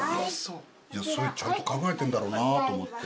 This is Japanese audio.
ちゃんと考えてるんだろうなと思って。